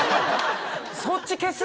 そっち消す？